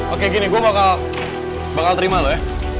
oke gini gue bakal terima loh ya